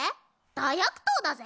大悪党だぜ？